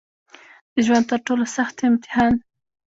د ژوند تر ټولو سخت امتحان